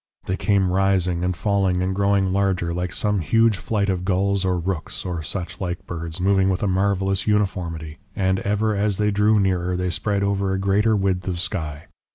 They came rising and falling and growing larger, like some huge flight of gulls or rooks, or such like birds moving with a marvellous uniformity, and ever as they drew nearer they spread over a greater width of sky.